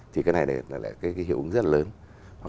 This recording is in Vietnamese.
thì cái này là cái hiệu ứng rất là lớn